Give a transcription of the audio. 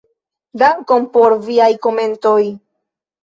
Dankon por viaj komentoj.